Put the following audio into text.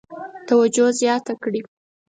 توجه زیاته کړي.